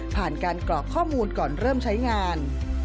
ผ่านการกรอกข้อมูลก่อนเริ่มใช้งาน